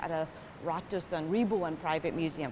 ada ratusan ribuan private museum